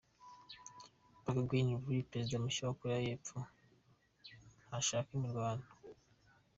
Park Geun-hye, perezida mushya wa Koreya y’Epfo ntashaka imirwano.